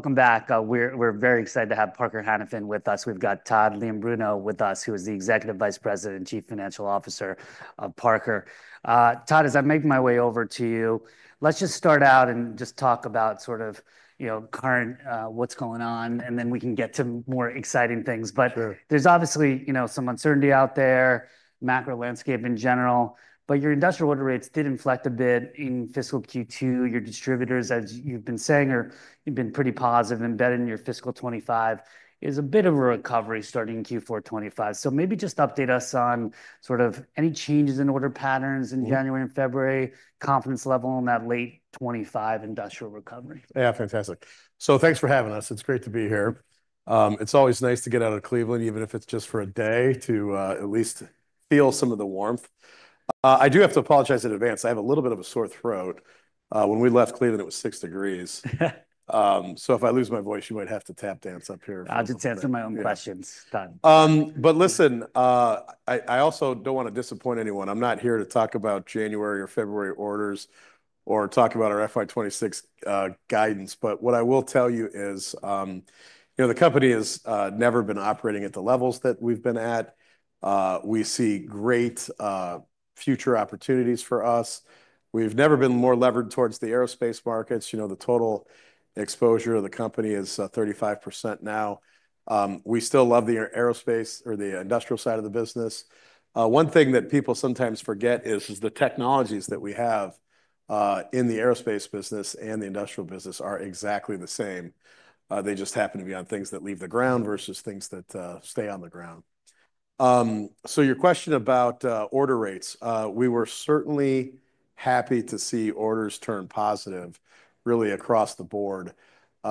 Welcome back. We're very excited to have Parker-Hannifin with us. We've got Todd Leombruno with us, who is the Executive Vice President and Chief Financial Officer of Parker. Todd, as I make my way over to you, let's just start out and just talk about sort of, you know, current what's going on, and then we can get to more exciting things. But there's obviously, you know, some uncertainty out there, macro landscape in general. But your industrial order rates did inflect a bit in fiscal Q2. Your distributors, as you've been saying, are pretty positive, embedded in your fiscal 2025. There's a bit of a recovery starting in Q4 2025. So maybe just update us on sort of any changes in order patterns in January and February, confidence level in that late 2025 industrial recovery. Yeah, fantastic. So thanks for having us. It's great to be here. It's always nice to get out of Cleveland, even if it's just for a day, to at least feel some of the warmth. I do have to apologize in advance. I have a little bit of a sore throat. When we left Cleveland, it was six degrees. So if I lose my voice, you might have to tap dance up here. I'll just answer my own questions. But listen, I also don't want to disappoint anyone. I'm not here to talk about January or February orders or talk about our FY 2026 guidance. But what I will tell you is, you know, the company has never been operating at the levels that we've been at. We see great future opportunities for us. We've never been more levered towards the aerospace markets. You know, the total exposure of the company is 35% now. We still love the aerospace or the industrial side of the business. One thing that people sometimes forget is the technologies that we have in the aerospace business and the industrial business are exactly the same. They just happen to be on things that leave the ground versus things that stay on the ground. So your question about order rates, we were certainly happy to see orders turn positive, really across the board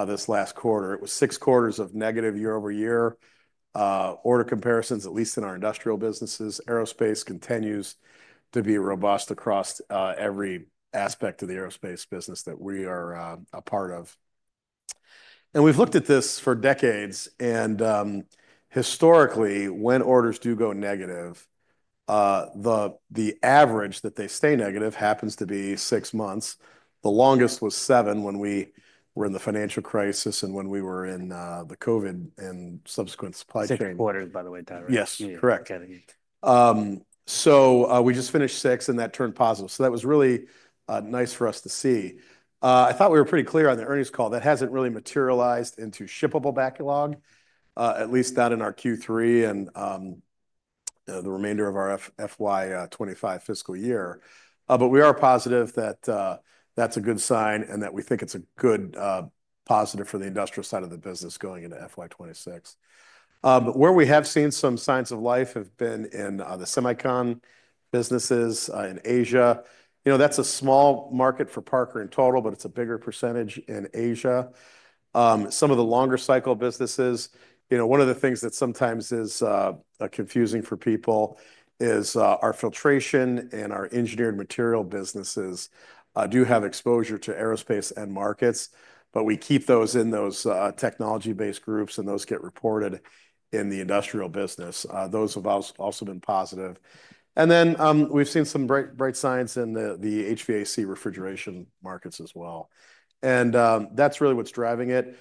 this last quarter. It was six quarters of negative year over year order comparisons, at least in our industrial businesses. Aerospace continues to be robust across every aspect of the aerospace business that we are a part of. And we've looked at this for decades. And historically, when orders do go negative, the average that they stay negative happens to be six months. The longest was seven when we were in the financial crisis and when we were in the COVID and subsequent supply chain. Six quarters, by the way, Todd, right? Yes, correct. So we just finished six, and that turned positive. So that was really nice for us to see. I thought we were pretty clear on the earnings call. That hasn't really materialized into shippable backlog, at least not in our Q3 and the remainder of our FY 2025 fiscal year. But we are positive that that's a good sign and that we think it's a good positive for the industrial side of the business going into FY 2026. Where we have seen some signs of life have been in the semicon businesses in Asia. You know, that's a small market for Parker in total, but it's a bigger percentage in Asia. Some of the longer cycle businesses, you know, one of the things that sometimes is confusing for people is our filtration and our engineered material businesses do have exposure to aerospace and markets, but we keep those in those technology-based groups, and those get reported in the industrial business. Those have also been positive, and then we've seen some bright signs in the HVAC refrigeration markets as well, and that's really what's driving it.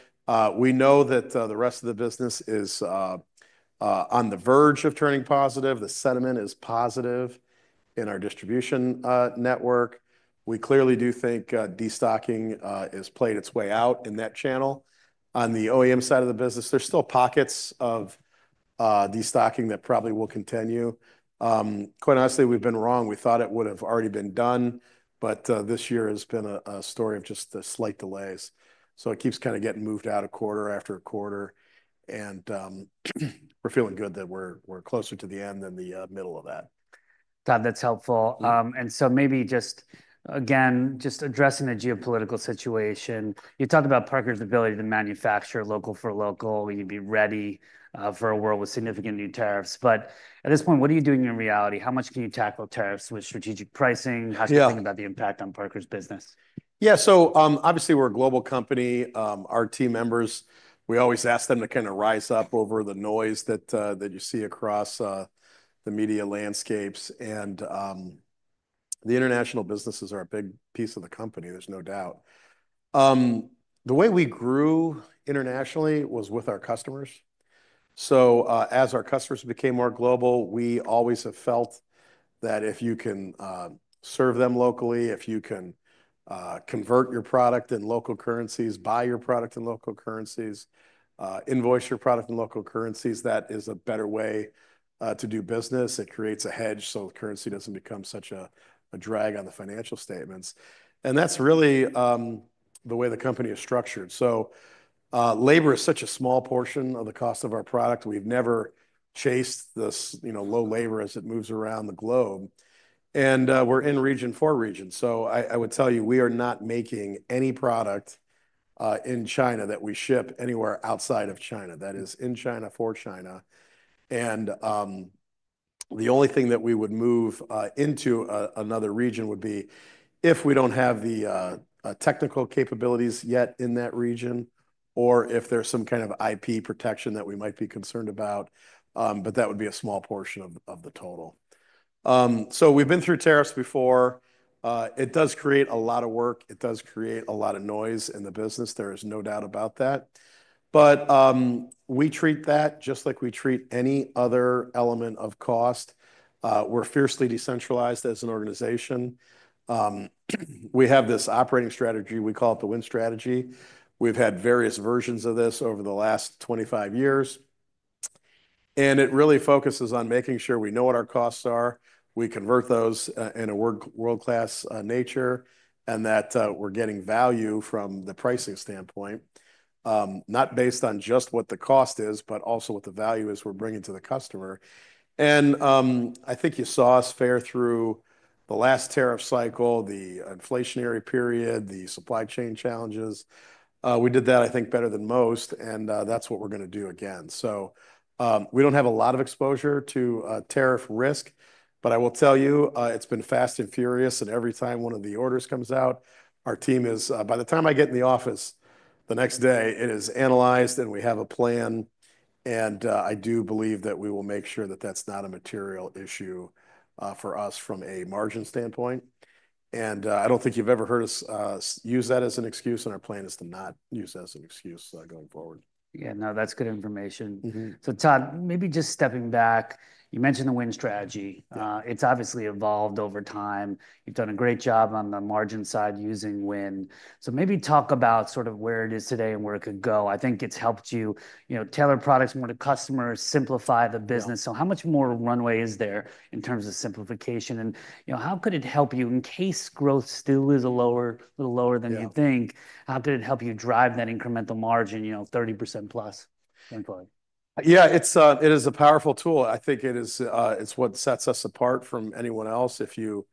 We know that the rest of the business is on the verge of turning positive. The sentiment is positive in our distribution network. We clearly do think destocking has played its way out in that channel. On the OEM side of the business, there's still pockets of destocking that probably will continue. Quite honestly, we've been wrong. We thought it would have already been done, but this year has been a story of just the slight delays, so it keeps kind of getting moved out of quarter-after-quarter, and we're feeling good that we're closer to the end than the middle of that. Todd, that's helpful. And so maybe just, again, just addressing the geopolitical situation, you talked about Parker's ability to manufacture local for local. You'd be ready for a world with significant new tariffs. But at this point, what are you doing in reality? How much can you tackle tariffs with strategic pricing? How do you think about the impact on Parker's business? Yeah, so obviously we're a global company. Our team members, we always ask them to kind of rise up over the noise that you see across the media landscapes. And the international businesses are a big piece of the company, there's no doubt. The way we grew internationally was with our customers. So as our customers became more global, we always have felt that if you can serve them locally, if you can convert your product in local currencies, buy your product in local currencies, invoice your product in local currencies, that is a better way to do business. It creates a hedge so the currency doesn't become such a drag on the financial statements. And that's really the way the company is structured. So labor is such a small portion of the cost of our product. We've never chased this low labor as it moves around the globe. And we're in region for region. So I would tell you, we are not making any product in China that we ship anywhere outside of China. That is in China for China. And the only thing that we would move into another region would be if we don't have the technical capabilities yet in that region, or if there's some kind of IP protection that we might be concerned about. But that would be a small portion of the total. So we've been through tariffs before. It does create a lot of work. It does create a lot of noise in the business. There is no doubt about that. But we treat that just like we treat any other element of cost. We're fiercely decentralized as an organization. We have this operating strategy. We call it the Win Strategy. We've had various versions of this over the last 25 years. It really focuses on making sure we know what our costs are. We control those in a world-class manner and that we're getting value from the pricing standpoint, not based on just what the cost is, but also what the value is we're bringing to the customer. I think you saw us fare well through the last tariff cycle, the inflationary period, the supply chain challenges. We did that, I think, better than most. That's what we're going to do again. We don't have a lot of exposure to tariff risk, but I will tell you, it's been fast and furious. Every time one of the orders comes out, our team is, by the time I get in the office the next day, it is analyzed and we have a plan. I do believe that we will make sure that that's not a material issue for us from a margin standpoint. I don't think you've ever heard us use that as an excuse, and our plan is to not use that as an excuse going forward. Yeah, no, that's good information. So Todd, maybe just stepping back, you mentioned the Win Strategy. It's obviously evolved over time. You've done a great job on the margin side using Win. So maybe talk about sort of where it is today and where it could go. I think it's helped you tailor products more to customers, simplify the business. So how much more runway is there in terms of simplification? And how could it help you in case growth still is a little lower than you think? How could it help you drive that incremental margin, you know, 30%+? Yeah, it is a powerful tool. I think it's what sets us apart from anyone else. If you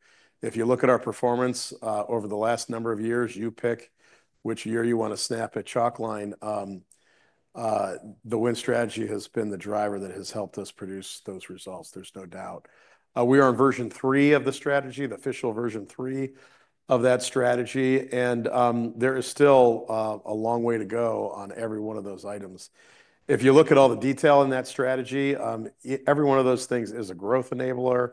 look at our performance over the last number of years, you pick which year you want to snap at chalk line. The Win Strategy has been the driver that has helped us produce those results. There's no doubt. We are in version three of the strategy, the official version three of that strategy, and there is still a long way to go on every one of those items. If you look at all the detail in that strategy, every one of those things is a growth enabler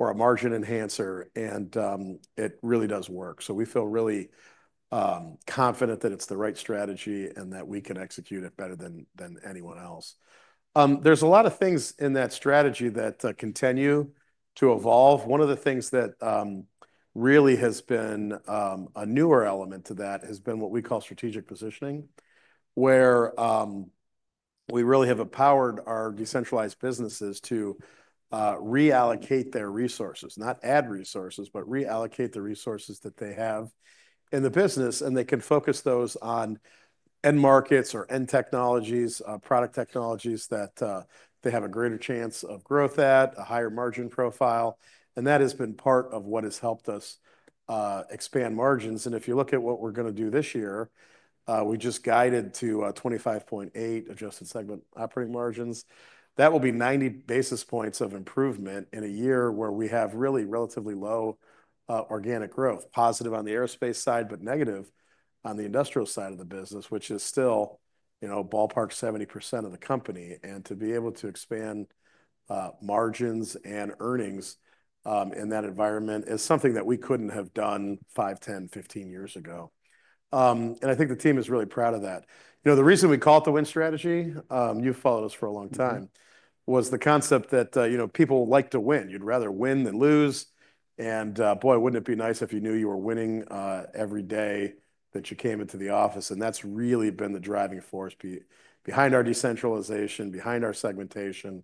or a margin enhancer, and it really does work, so we feel really confident that it's the right strategy and that we can execute it better than anyone else. There's a lot of things in that strategy that continue to evolve. One of the things that really has been a newer element to that has been what we call strategic positioning, where we really have empowered our decentralized businesses to reallocate their resources, not add resources, but reallocate the resources that they have in the business, and they can focus those on end markets or end technologies, product technologies that they have a greater chance of growth at, a higher margin profile, and that has been part of what has helped us expand margins, and if you look at what we're going to do this year, we just guided to 25.8% adjusted segment operating margins. That will be 90 basis points of improvement in a year where we have really relatively low organic growth, positive on the aerospace side, but negative on the industrial side of the business, which is still, you know, ballpark 70% of the company. And to be able to expand margins and earnings in that environment is something that we couldn't have done five, 10, 15 years ago. And I think the team is really proud of that. You know, the reason we called it the Win Strategy, you've followed us for a long time, was the concept that, you know, people like to Win. You'd rather win than lose. And boy, wouldn't it be nice if you knew you were winning every day that you came into the office. And that's really been the driving force behind our decentralization, behind our segmentation.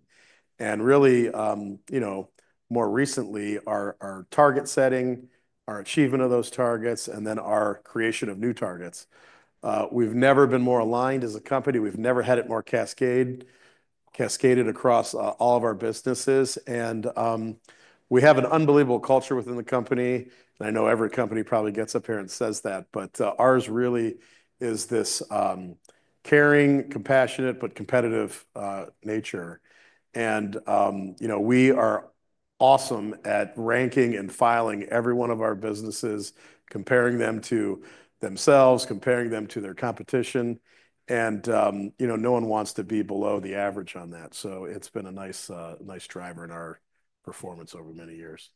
And really, you know, more recently, our target setting, our achievement of those targets, and then our creation of new targets. We've never been more aligned as a company. We've never had it more cascaded across all of our businesses. And we have an unbelievable culture within the company. And I know every company probably gets up here and says that, but ours really is this caring, compassionate, but competitive nature. And, you know, we are awesome at ranking and filing every one of our businesses, comparing them to themselves, comparing them to their competition. And, you know, no one wants to be below the average on that. So it's been a nice driver in our performance over many years.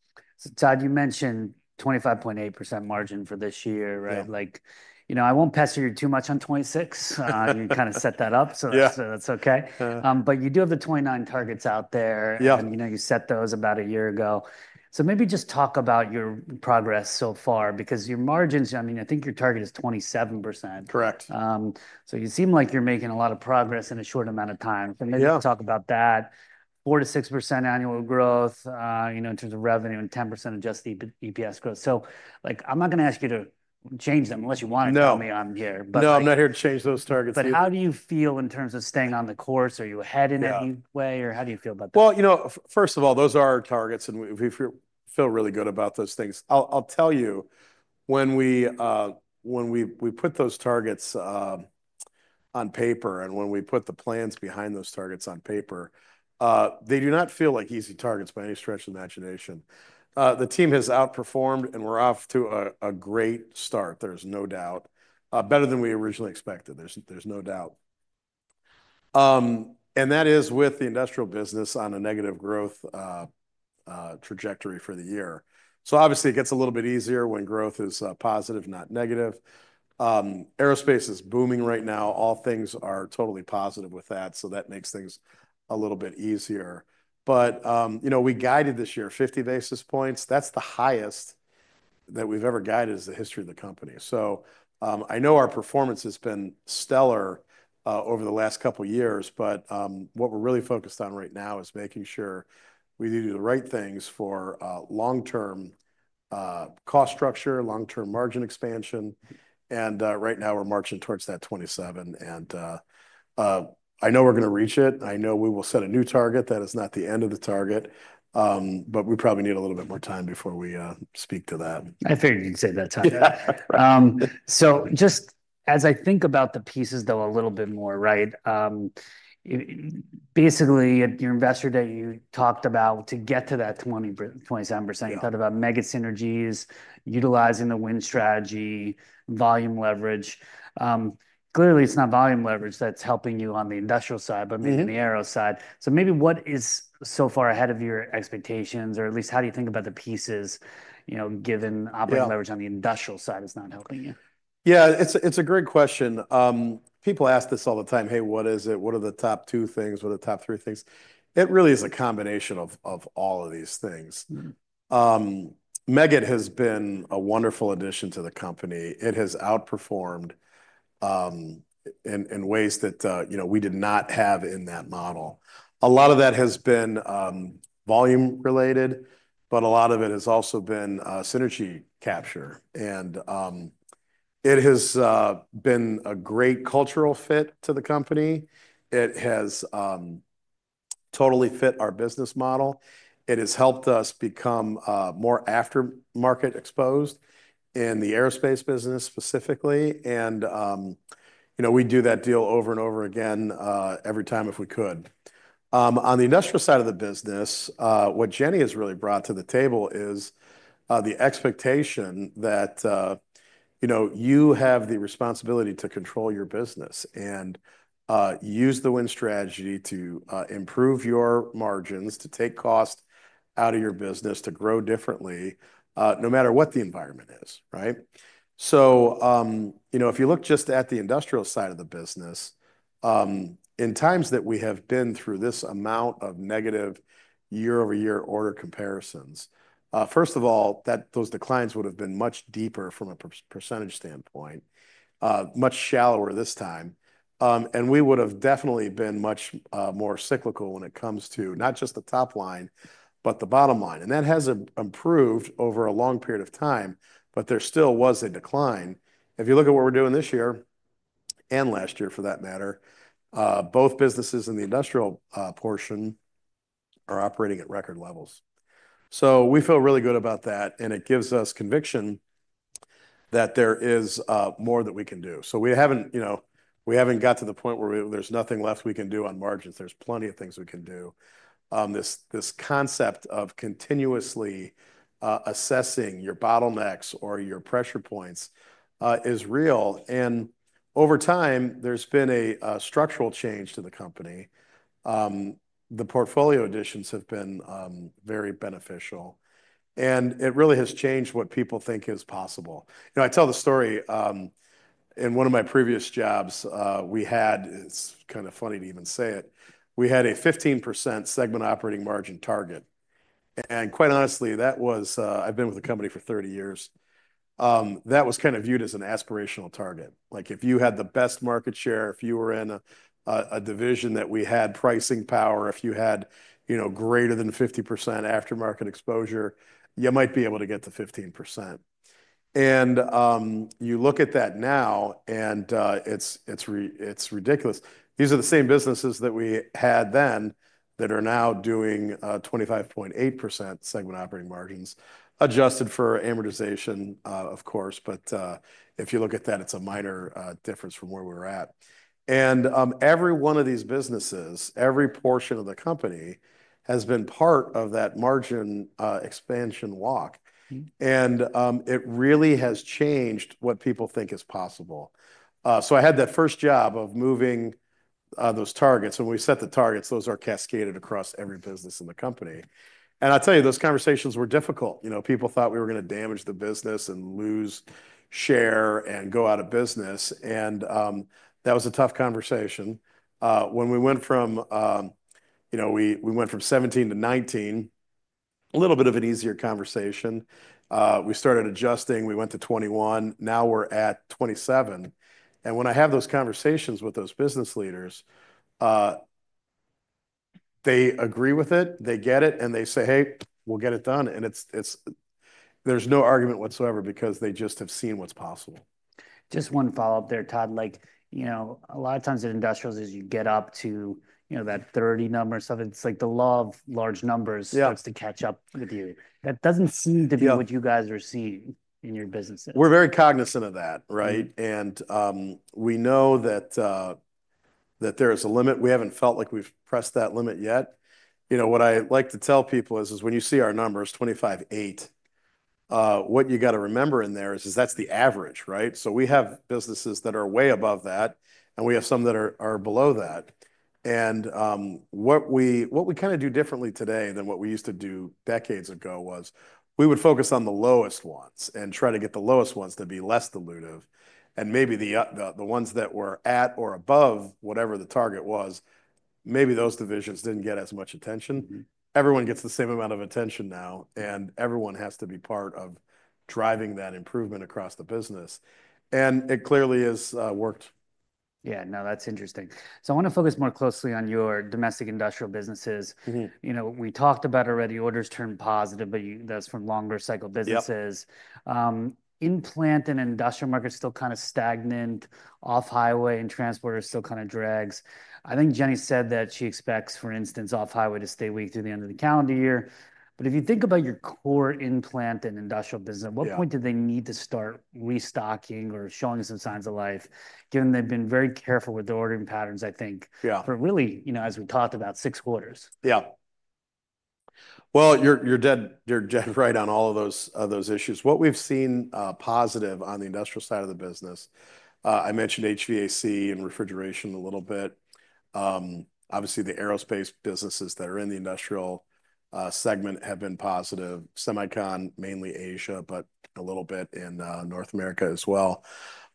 Todd, you mentioned 25.8% margin for this year, right? Like, you know, I won't pester you too much on 26. You kind of set that up. So that's okay. But you do have the 29 targets out there. And you know, you set those about a year ago. So maybe just talk about your progress so far, because your margins, I mean, I think your target is 27%. Correct. So you seem like you're making a lot of progress in a short amount of time. So maybe just talk about that. 4%-6% annual growth, you know, in terms of revenue and 10% adjusted EPS growth. So like, I'm not going to ask you to change them unless you want to tell me I'm here. No, I'm not here to change those targets. But how do you feel in terms of staying on the course? Are you ahead in any way? Or how do you feel about that? You know, first of all, those are our targets. We feel really good about those things. I'll tell you, when we put those targets on paper and when we put the plans behind those targets on paper, they do not feel like easy targets by any stretch of the imagination. The team has outperformed, and we're off to a great start. There's no doubt. Better than we originally expected. There's no doubt. That is with the industrial business on a negative growth trajectory for the year. Obviously, it gets a little bit easier when growth is positive, not negative. Aerospace is booming right now. All things are totally positive with that. That makes things a little bit easier. You know, we guided this year 50 basis points. That's the highest that we've ever guided in the history of the company. So I know our performance has been stellar over the last couple of years, but what we're really focused on right now is making sure we do the right things for long-term cost structure, long-term margin expansion, and right now, we're marching towards that 27%, and I know we're going to reach it. I know we will set a new target. That is not the end of the target, but we probably need a little bit more time before we speak to that. I figured you'd say that, Todd. So just as I think about the pieces, though, a little bit more, right? Basically, your investor that you talked about to get to that 27%, you thought about mega synergies, utilizing the Win Strategy, volume leverage. Clearly, it's not volume leverage that's helping you on the industrial side, but maybe on the aero side. So maybe what is so far ahead of your expectations, or at least how do you think about the pieces, you know, given operating leverage on the industrial side is not helping you? Yeah, it's a great question. People ask this all the time, "Hey, what is it? What are the top two things? What are the top three things?" It really is a combination of all of these things. Meggitt has been a wonderful addition to the company. It has outperformed in ways that, you know, we did not have in that model. A lot of that has been volume related, but a lot of it has also been synergy capture, and it has been a great cultural fit to the company. It has totally fit our business model. It has helped us become more aftermarket exposed in the aerospace business specifically, and, you know, we'd do that deal over and over again every time if we could. On the industrial side of the business, what Jenny has really brought to the table is the expectation that, you know, you have the responsibility to control your business and use the Win Strategy to improve your margins, to take cost out of your business, to grow differently no matter what the environment is, right? So, you know, if you look just at the industrial side of the business, in times that we have been through this amount of negative year-over-year order comparisons, first of all, those declines would have been much deeper from a percentage standpoint, much shallower this time, and we would have definitely been much more cyclical when it comes to not just the top line, but the bottom line, and that has improved over a long period of time, but there still was a decline. If you look at what we're doing this year and last year, for that matter, both businesses in the industrial portion are operating at record levels. So we feel really good about that. And it gives us conviction that there is more that we can do. So we haven't, you know, we haven't got to the point where there's nothing left we can do on margins. There's plenty of things we can do. This concept of continuously assessing your bottlenecks or your pressure points is real. And over time, there's been a structural change to the company. The portfolio additions have been very beneficial. And it really has changed what people think is possible. You know, I tell the story in one of my previous jobs, we had, it's kind of funny to even say it, we had a 15% segment operating margin target. Quite honestly, that was. I've been with the company for 30 years. That was kind of viewed as an aspirational target. Like if you had the best market share, if you were in a division that we had pricing power, if you had, you know, greater than 50% aftermarket exposure, you might be able to get to 15%. You look at that now, and it's ridiculous. These are the same businesses that we had then that are now doing 25.8% segment operating margins adjusted for amortization, of course. If you look at that, it's a minor difference from where we were at. Every one of these businesses, every portion of the company has been part of that margin expansion walk. It really has changed what people think is possible. I had that first job of moving those targets. And when we set the targets, those are cascaded across every business in the company. And I'll tell you, those conversations were difficult. You know, people thought we were going to damage the business and lose share and go out of business. And that was a tough conversation. When we went from, you know, we went from 17%-19%, a little bit of an easier conversation. We started adjusting. We went to 21%. Now we're at 27%. And when I have those conversations with those business leaders, they agree with it. They get it. And they say, "Hey, we'll get it done." And there's no argument whatsoever because they just have seen what's possible. Just one follow-up there, Todd. Like, you know, a lot of times in industrials, as you get up to, you know, that 30 number or something, it's like the law of large numbers starts to catch up with you. That doesn't seem to be what you guys are seeing in your businesses. We're very cognizant of that, right? And we know that there is a limit. We haven't felt like we've pressed that limit yet. You know, what I like to tell people is when you see our numbers, 25.8%, what you got to remember in there is that's the average, right? So we have businesses that are way above that, and we have some that are below that. And what we kind of do differently today than what we used to do decades ago was we would focus on the lowest ones and try to get the lowest ones to be less dilutive. And maybe the ones that were at or above whatever the target was, maybe those divisions didn't get as much attention. Everyone gets the same amount of attention now. And everyone has to be part of driving that improvement across the business. And it clearly has worked. Yeah, no, that's interesting. So I want to focus more closely on your domestic industrial businesses. You know, we talked about already orders turned positive, but that's from longer cycle businesses. In-plant and industrial markets still kind of stagnant. Off-highway and transport are still kind of drags. I think Jenny said that she expects, for instance, off-highway to stay weak through the end of the calendar year. But if you think about your core in-plant and industrial business, at what point did they need to start restocking or showing some signs of life, given they've been very careful with the ordering patterns, I think, for really, you know, as we talked about, six quarters? Yeah, well, you're dead right on all of those issues. What we've seen positive on the industrial side of the business, I mentioned HVAC and refrigeration a little bit. Obviously, the aerospace businesses that are in the industrial segment have been positive. Semicon, mainly Asia, but a little bit in North America as well.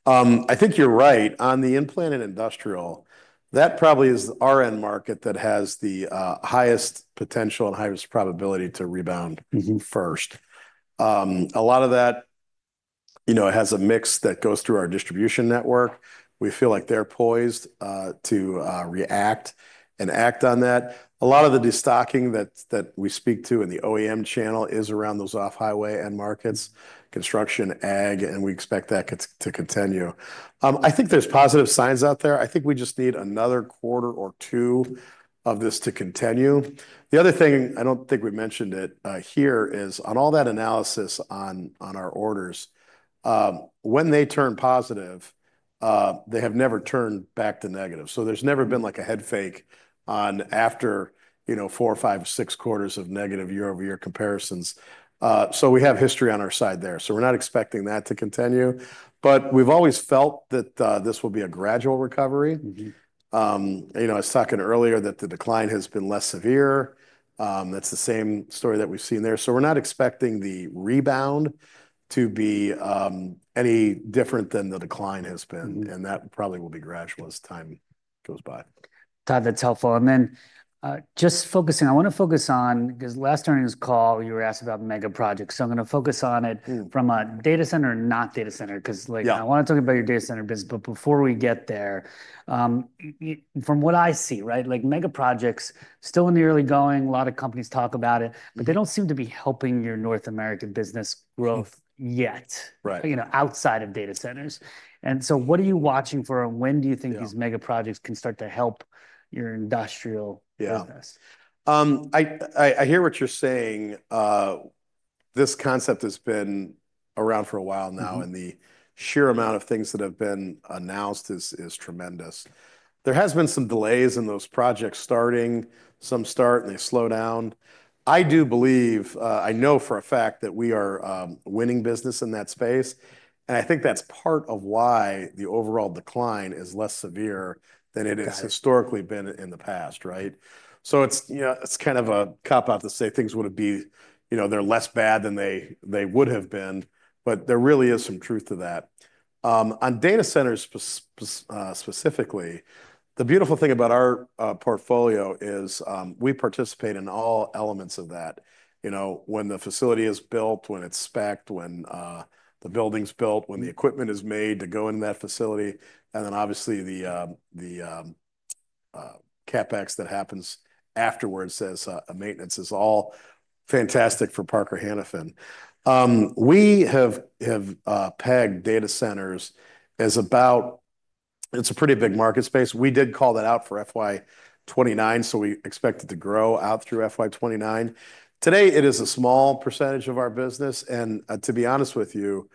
I think you're right. On the in-plant and industrial, that probably is the end market that has the highest potential and highest probability to rebound first. A lot of that, you know, has a mix that goes through our distribution network. We feel like they're poised to react and act on that. A lot of the destocking that we speak to in the OEM channel is around those off-highway end markets, construction, ag, and we expect that to continue. I think there's positive signs out there. I think we just need another quarter or two of this to continue. The other thing, I don't think we mentioned it here, is on all that analysis on our orders, when they turn positive, they have never turned back to negative. So there's never been like a head fake on after, you know, four or five, six quarters of negative year-over-year comparisons. So we have history on our side there. So we're not expecting that to continue. But we've always felt that this will be a gradual recovery. You know, I was talking earlier that the decline has been less severe. That's the same story that we've seen there. So we're not expecting the rebound to be any different than the decline has been, and that probably will be gradual as time goes by. Todd, that's helpful, and then just focusing, I want to focus on, because last time on this call, you were asked about mega projects, so I'm going to focus on it from a data center and not data center, because, like, I want to talk about your data center business. But before we get there, from what I see, right, like, mega projects still in the early going. A lot of companies talk about it, but they don't seem to be helping your North American business growth yet, you know, outside of data centers, and so what are you watching for? And when do you think these mega projects can start to help your industrial business? Yeah. I hear what you're saying. This concept has been around for a while now, and the sheer amount of things that have been announced is tremendous. There has been some delays in those projects starting. Some start and they slow down. I do believe, I know for a fact that we are a winning business in that space. And I think that's part of why the overall decline is less severe than it has historically been in the past, right? So it's, you know, it's kind of a cop-out to say things wouldn't be, you know, they're less bad than they would have been, but there really is some truth to that. On data centers specifically, the beautiful thing about our portfolio is we participate in all elements of that. You know, when the facility is built, when it's specced, when the building's built, when the equipment is made to go into that facility, and then obviously the CapEx that happens afterwards as a maintenance is all fantastic for Parker-Hannifin. We have AI data centers is about, it's a pretty big market space. We did call that out for FY 2029, so we expect it to grow out through FY 2029. Today, it is a small percentage of our business, and to be honest with you,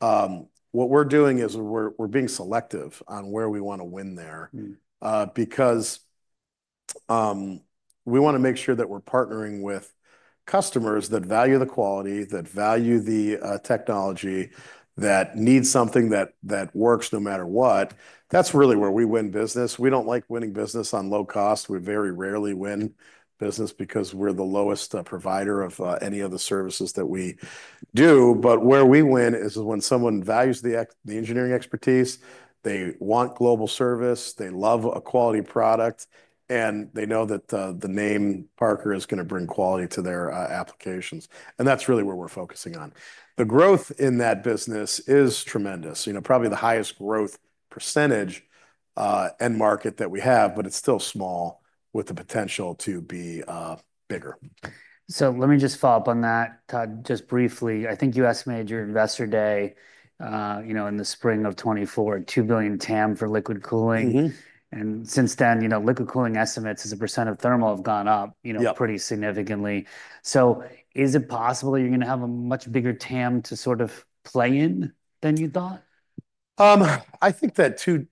what we're doing is we're being selective on where we want to win there. Because we want to make sure that we're partnering with customers that value the quality, that value the technology, that need something that works no matter what. That's really where we win business. We don't like winning business on low cost. We very rarely win business because we're the lowest provider of any of the services that we do. But where we win is when someone values the engineering expertise, they want global service, they love a quality product, and they know that the name Parker is going to bring quality to their applications. And that's really where we're focusing on. The growth in that business is tremendous. You know, probably the highest growth percentage end market that we have, but it's still small with the potential to be bigger. So let me just follow up on that, Todd, just briefly. I think you estimated your investor day, you know, in the spring of 2024, $2 billion TAM for liquid cooling. And since then, you know, liquid cooling estimates as a percent of thermal have gone up, you know, pretty significantly. So is it possible that you're going to have a much bigger TAM to sort of play in than you thought? I think that two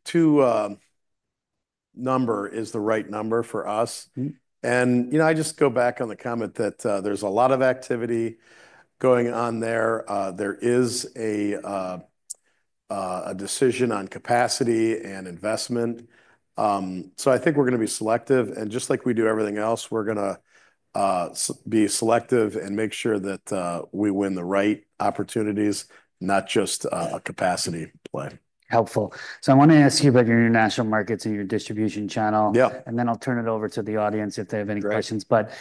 number is the right number for us. And, you know, I just go back on the comment that there's a lot of activity going on there. There is a decision on capacity and investment. So I think we're going to be selective. And just like we do everything else, we're going to be selective and make sure that we win the right opportunities, not just a capacity play. Helpful. So I want to ask you about your international markets and your distribution channel. And then I'll turn it over to the audience if they have any questions. But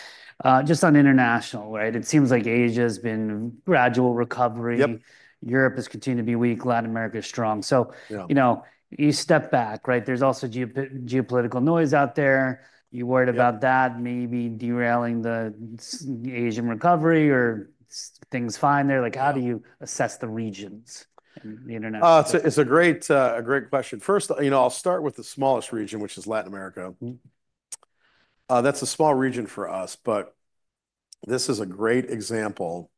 just on international, right? It seems like Asia has been gradual recovery. Europe has continued to be weak. Latin America is strong. So, you know, you step back, right? There's also geopolitical noise out there. You're worried about that maybe derailing the Asian recovery or things fine there? Like how do you assess the regions in the international market? It's a great question. First, you know, I'll start with the smallest region, which is Latin America. That's a small region for us. But this is a great example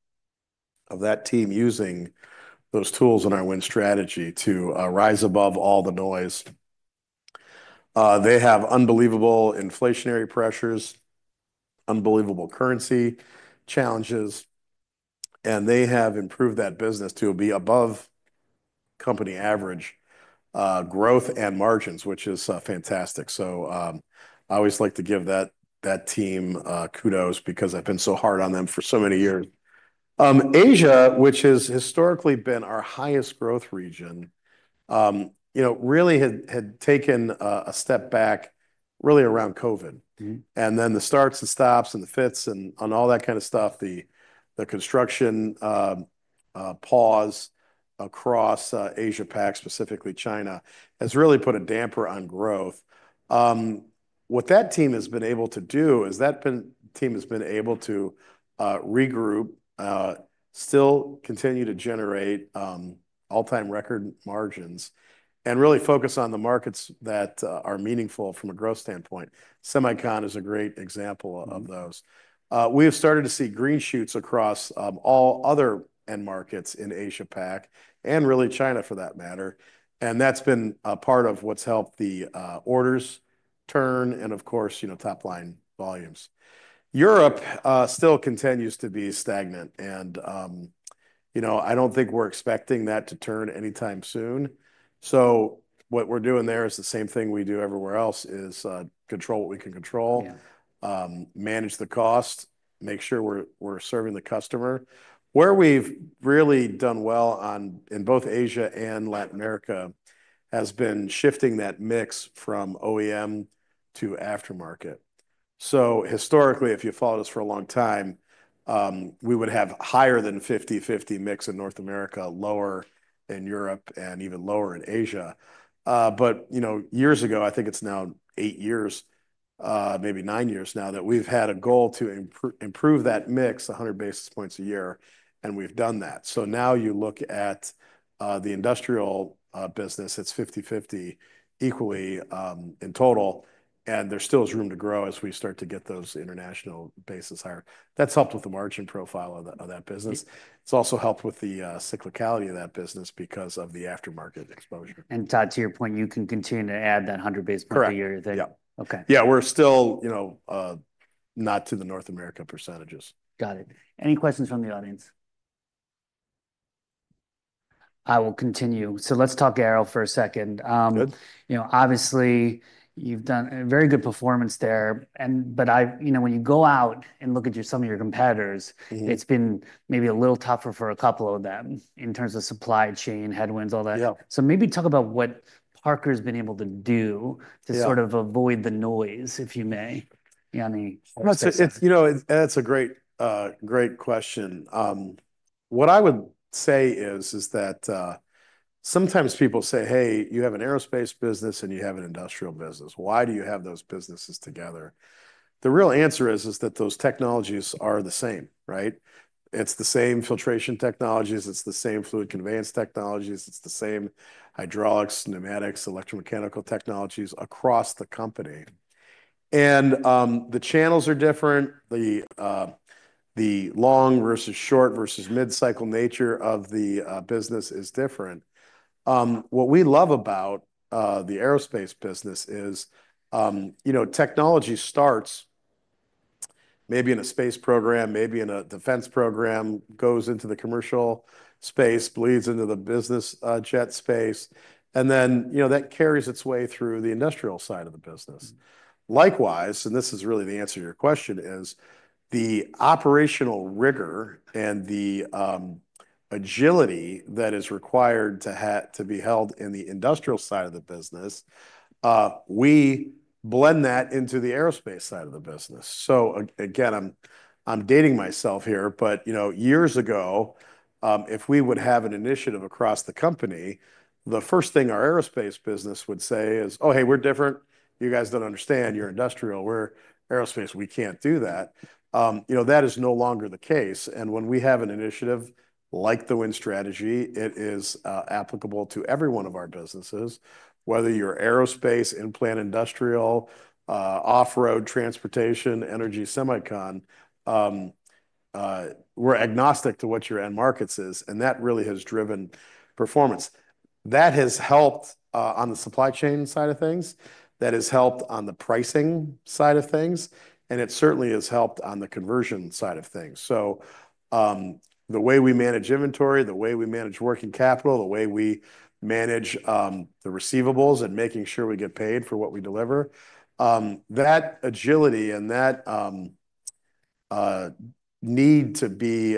of that team using those tools in our win strategy to rise above all the noise. They have unbelievable inflationary pressures, unbelievable currency challenges. And they have improved that business to be above company average growth and margins, which is fantastic. So I always like to give that team kudos because I've been so hard on them for so many years. Asia, which has historically been our highest growth region, you know, really had taken a step back really around COVID. And then the starts and stops and the fits and all that kind of stuff, the construction pause across Asia-Pac, specifically China, has really put a damper on growth. What that team has been able to do is that team has been able to regroup, still continue to generate all-time record margins, and really focus on the markets that are meaningful from a growth standpoint. Semicon is a great example of those. We have started to see green shoots across all other end markets in Asia-Pac and really China for that matter. And that's been a part of what's helped the orders turn. And of course, you know, top line volumes. Europe still continues to be stagnant. And, you know, I don't think we're expecting that to turn anytime soon. So what we're doing there is the same thing we do everywhere else is control what we can control, manage the cost, make sure we're serving the customer. Where we've really done well in both Asia and Latin America has been shifting that mix from OEM to aftermarket. Historically, if you followed us for a long time, we would have higher than 50/50 mix in North America, lower in Europe, and even lower in Asia. But, you know, years ago, I think it's now eight years, maybe nine years now that we've had a goal to improve that mix 100 basis points a year. And we've done that. Now you look at the industrial business, it's 50/50 equally in total. And there still is room to grow as we start to get those international bases higher. That's helped with the margin profile of that business. It's also helped with the cyclicality of that business because of the aftermarket exposure. Todd, to your point, you can continue to add that 100 basis point a year thing. Yeah. Yeah, we're still, you know, not to the North America percentages. Got it. Any questions from the audience? I will continue. So let's talk Aero for a second. You know, obviously, you've done a very good performance there. But I, you know, when you go out and look at some of your competitors, it's been maybe a little tougher for a couple of them in terms of supply chain, headwinds, all that. So maybe talk about what Parker has been able to do to sort of avoid the noise, if you may. You know, that's a great question. What I would say is that sometimes people say, "Hey, you have an aerospace business and you have an industrial business. Why do you have those businesses together?" The real answer is that those technologies are the same, right? It's the same filtration technologies. It's the same fluid conveyance technologies. It's the same hydraulics, pneumatics, electromechanical technologies across the company. And the channels are different. The long versus short versus mid-cycle nature of the business is different. What we love about the aerospace business is, you know, technology starts maybe in a space program, maybe in a defense program, goes into the commercial space, bleeds into the business jet space. And then, you know, that carries its way through the industrial side of the business. Likewise, and this is really the answer to your question, the operational rigor and the agility that is required to be held in the industrial side of the business. We blend that into the aerospace side of the business, so again, I'm dating myself here, but, you know, years ago, if we would have an initiative across the company, the first thing our aerospace business would say is, "Oh, hey, we're different. You guys don't understand. You're industrial. We're aerospace. We can't do that." You know, that is no longer the case, and when we have an initiative like the Win Strategy, it is applicable to every one of our businesses, whether you're aerospace, in-plant industrial, off-road transportation, energy, semicon. We're agnostic to what your end markets is, and that really has driven performance. That has helped on the supply chain side of things. That has helped on the pricing side of things. And it certainly has helped on the conversion side of things. So the way we manage inventory, the way we manage working capital, the way we manage the receivables and making sure we get paid for what we deliver, that agility and that need to be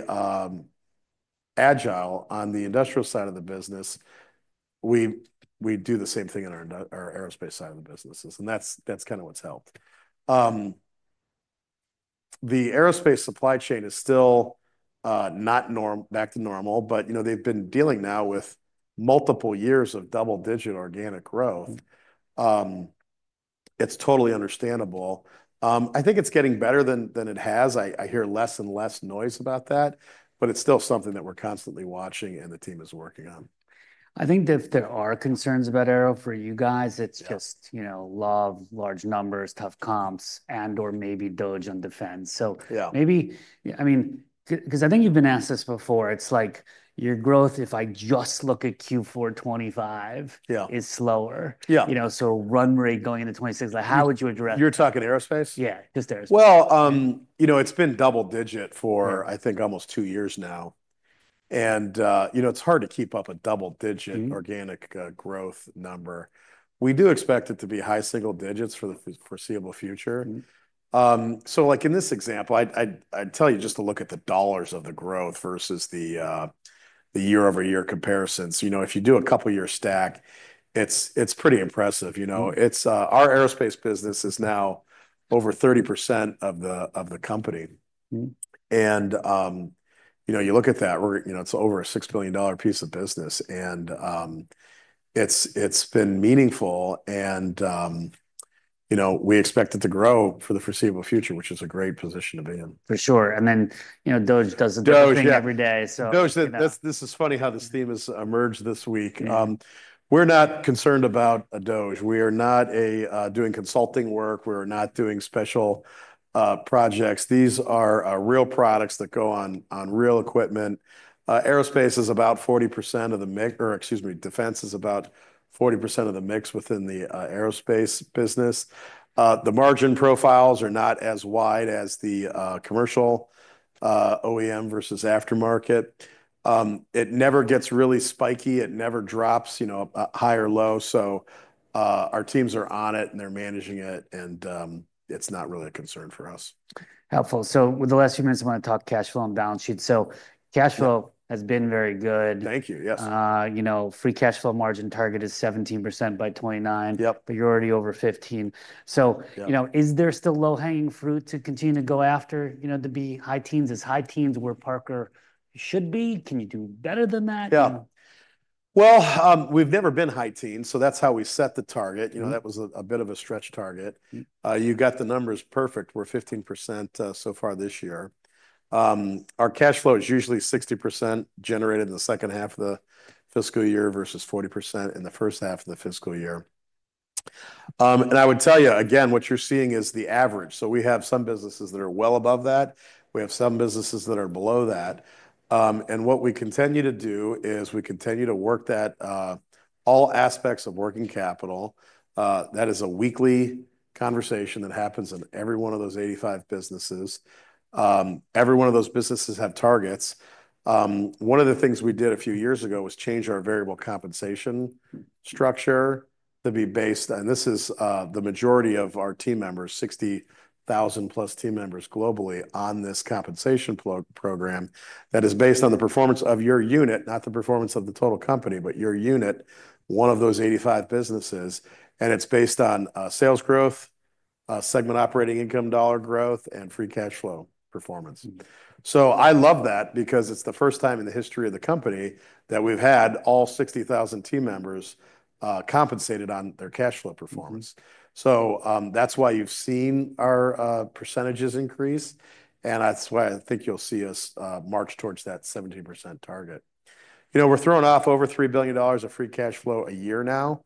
agile on the industrial side of the business, we do the same thing in our aerospace side of the businesses. And that's kind of what's helped. The aerospace supply chain is still not back to normal. But, you know, they've been dealing now with multiple years of double-digit organic growth. It's totally understandable. I think it's getting better than it has. I hear less and less noise about that. But it's still something that we're constantly watching and the team is working on. I think that there are concerns about Aero for you guys. It's just, you know, low, large numbers, tough comps, and/or maybe diligent defense. Maybe, I mean, because I think you've been asked this before. It's like your growth, if I just look at Q4 2025, is slower. You know, so run rate going into 2026, like how would you address that? You're talking aerospace? Yeah, just aerospace. You know, it's been double-digit for, I think, almost two years now. And, you know, it's hard to keep up a double-digit organic growth number. We do expect it to be high single digits for the foreseeable future. So like in this example, I'd tell you just to look at the dollars of the growth versus the year-over-year comparisons. You know, if you do a couple-year stack, it's pretty impressive. You know, our aerospace business is now over 30% of the company. And, you know, you look at that, you know, it's over a $6 billion piece of business. And it's been meaningful. And, you know, we expect it to grow for the foreseeable future, which is a great position to be in. For sure. And then, you know, DOGE does the dog thing every day. DOGE, this is funny how this theme has emerged this week. We're not concerned about a DOGE. We are not doing consulting work. We're not doing special projects. These are real products that go on real equipment. Aerospace is about 40% of the mix, or excuse me, defense is about 40% of the mix within the aerospace business. The margin profiles are not as wide as the commercial OEM versus aftermarket. It never gets really spiky. It never drops, you know, a high or low. So our teams are on it and they're managing it. And it's not really a concern for us. Helpful. So with the last few minutes, I want to talk cash flow and balance sheet. So cash flow has been very good. Thank you. Yes. You know, free cash flow margin target is 17% by 2029. Yep. But you're already over 15%. So, you know, is there still low-hanging fruit to continue to go after, you know, to be high teens? Is high teens where Parker should be? Can you do better than that? Yeah. Well, we've never been high teens. So that's how we set the target. You know, that was a bit of a stretch target. You got the numbers perfect. We're 15% so far this year. Our cash flow is usually 60% generated in the second half of the fiscal year versus 40% in the first half of the fiscal year. And I would tell you, again, what you're seeing is the average. So we have some businesses that are well above that. We have some businesses that are below that. And what we continue to do is we continue to work that all aspects of working capital. That is a weekly conversation that happens in every one of those 85 businesses. Every one of those businesses have targets. One of the things we did a few years ago was change our variable compensation structure to be based, and this is the majority of our team members, 60,000+ team members globally, on this compensation program that is based on the performance of your unit, not the performance of the total company, but your unit, one of those 85 businesses, and it's based on sales growth, segment operating income dollar growth, and free cash flow performance, so I love that because it's the first time in the history of the company that we've had all 60,000 team members compensated on their cash flow performance, so that's why you've seen our percentages increase, and that's why I think you'll see us march towards that 17% target. You know, we're throwing off over $3 billion of free cash flow a year now.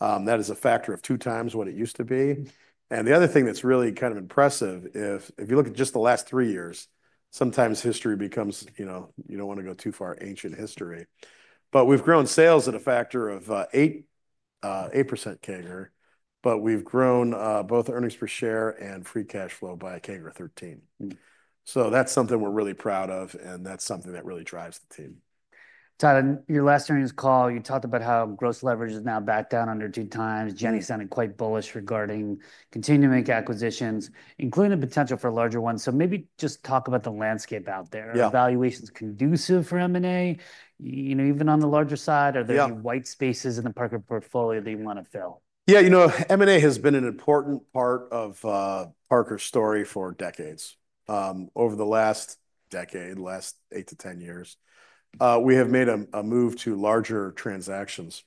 That is a factor of two times what it used to be. And the other thing that's really kind of impressive, if you look at just the last three years, sometimes history becomes, you know, you don't want to go too far ancient history. But we've grown sales at a factor of 8% CAGR. But we've grown both earnings per share and free cash flow by a CAGR 13%. So that's something we're really proud of. And that's something that really drives the team. Todd, in your last earnings call, you talked about how gross leverage is now back down under two times. Jenny sounded quite bullish regarding continuing acquisitions, including the potential for larger ones. So maybe just talk about the landscape out there. Are valuations conducive for M&A, you know, even on the larger side? Are there any white spaces in the Parker portfolio that you want to fill? Yeah, you know, M&A has been an important part of Parker's story for decades. Over the last decade, last eight to 10 years, we have made a move to larger transactions.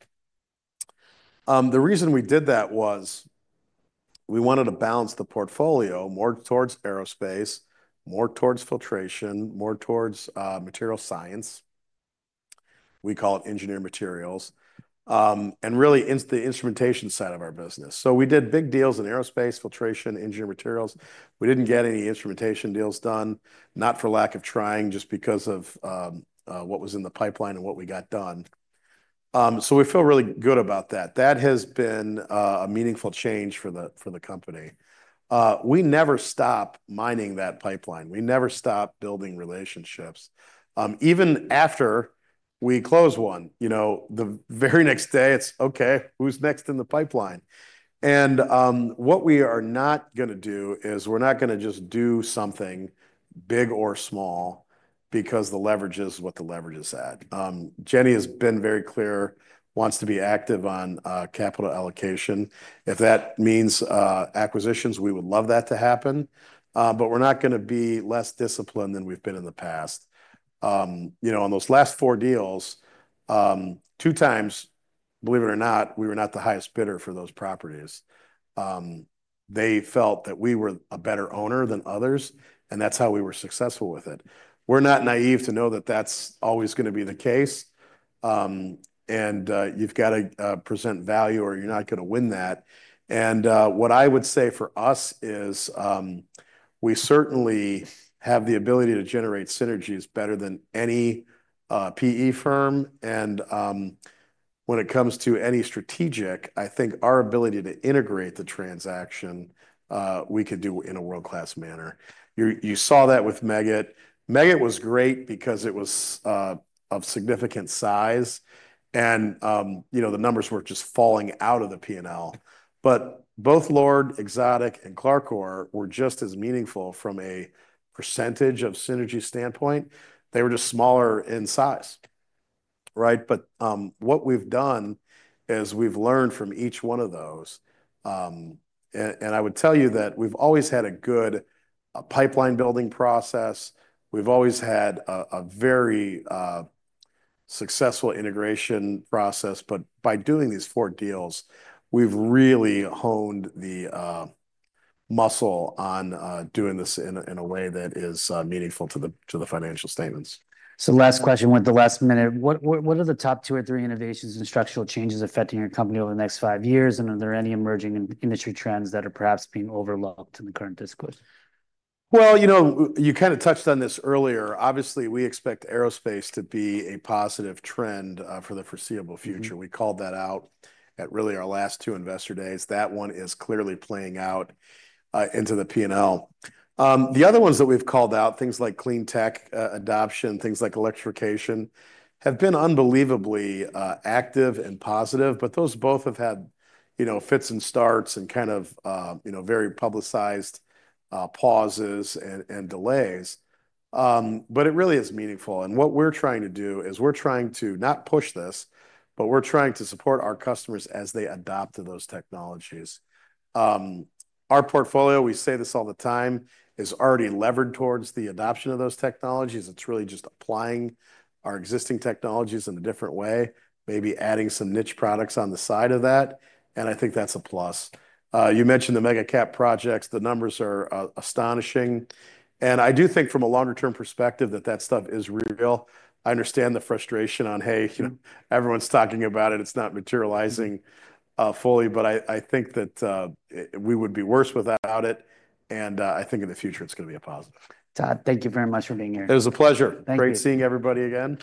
The reason we did that was we wanted to balance the portfolio more towards aerospace, more towards filtration, more towards material science. We call it engineered materials, and really the instrumentation side of our business, so we did big deals in aerospace, filtration, engineered materials. We didn't get any instrumentation deals done, not for lack of trying, just because of what was in the pipeline and what we got done, so we feel really good about that. That has been a meaningful change for the company. We never stop mining that pipeline. We never stop building relationships. Even after we close one, you know, the very next day, it's, "Okay, who's next in the pipeline?" And what we are not going to do is we're not going to just do something big or small because the leverage is what the leverage is at. Jenny has been very clear, wants to be active on capital allocation. If that means acquisitions, we would love that to happen. But we're not going to be less disciplined than we've been in the past. You know, on those last four deals, two times, believe it or not, we were not the highest bidder for those properties. They felt that we were a better owner than others. And that's how we were successful with it. We're not naive to know that that's always going to be the case. And you've got to present value or you're not going to win that. And what I would say for us is we certainly have the ability to generate synergies better than any PE firm. And when it comes to any strategic, I think our ability to integrate the transaction, we can do in a world-class manner. You saw that with Meggitt. Meggitt was great because it was of significant size. And, you know, the numbers were just falling out of the P&L. But both Lord, Exotic, and Clarcor were just as meaningful from a percentage of synergy standpoint. They were just smaller in size. Right? But what we've done is we've learned from each one of those. And I would tell you that we've always had a good pipeline building process. We've always had a very successful integration process. But by doing these four deals, we've really honed the muscle on doing this in a way that is meaningful to the financial statements. Last question, with the last minute, what are the top two or three innovations and structural changes affecting your company over the next five years? Are there any emerging industry trends that are perhaps being overlooked in the current discourse? You know, you kind of touched on this earlier. Obviously, we expect Aerospace to be a positive trend for the foreseeable future. We called that out at really our last two investor days. That one is clearly playing out into the P&L. The other ones that we've called out, things like clean tech adoption, things like electrification, have been unbelievably active and positive. But those both have had, you know, fits and starts and kind of, you know, very publicized pauses and delays. But it really is meaningful, and what we're trying to do is we're trying to not push this, but we're trying to support our customers as they adopt those technologies. Our portfolio, we say this all the time, is already levered towards the adoption of those technologies. It's really just applying our existing technologies in a different way, maybe adding some niche products on the side of that. And I think that's a plus. You mentioned the mega projects. The numbers are astonishing. And I do think from a longer-term perspective that that stuff is real. I understand the frustration on, hey, you know, everyone's talking about it. It's not materializing fully. But I think that we would be worse without it. And I think in the future, it's going to be a positive. Todd, thank you very much for being here. It was a pleasure. Thank you. Great seeing everybody again.